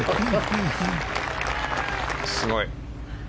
すごい。